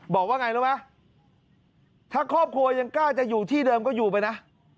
บอกว่าไงรู้ไหมถ้าครอบครัวยังกล้าจะอยู่ที่เดิมก็อยู่ไปนะ